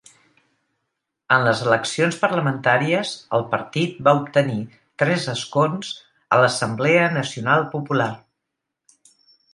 En les eleccions parlamentàries, el partit va obtenir tres escons a l'Assemblea Nacional Popular.